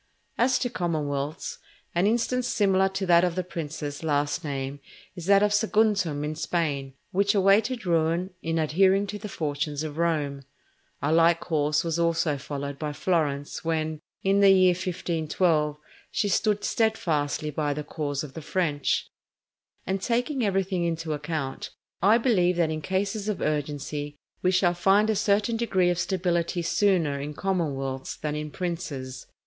As to commonwealths, an instance similar to that of the princes last named, is that of Saguntum in Spain, which awaited ruin in adhering to the fortunes of Rome. A like course was also followed by Florence when, in the year 1512, she stood steadfastly by the cause of the French. And taking everything into account, I believe that in cases of urgency, we shall find a certain degree of stability sooner in commonwealths than in princes.